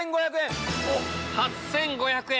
８５００円！